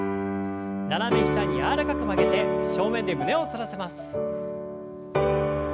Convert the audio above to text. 斜め下に柔らかく曲げて正面で胸を反らせます。